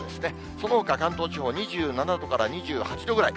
そのほか関東地方、２７度から２８度ぐらい。